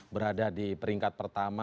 berada di peringkat pertama